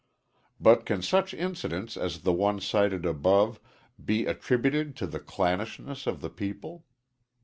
But can such incidents as the one cited above be attributed to the clannishness of the people.